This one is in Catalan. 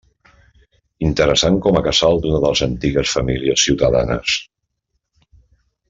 Interessant com a casal d'una de les antigues famílies ciutadanes.